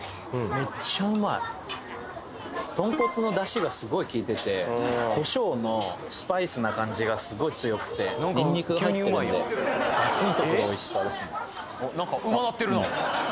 めっちゃうまい豚骨のダシがすごい効いてて胡椒のスパイスな感じがすごい強くてニンニクが入ってるんでガツンとくるおいしさですねなんかうまなってるな